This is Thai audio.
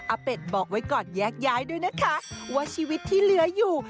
เป็ดบอกไว้ก่อนแยกย้ายด้วยนะคะว่าชีวิตที่เหลืออยู่